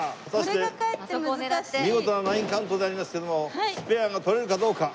見事な９カウントでありますけどもスペアが取れるかどうか。